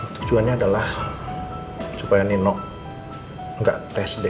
tujuannya adalah supaya nino nggak tes deh